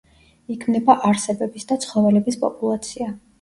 იქმნება არსებების და ცხოველების პოპულაცია.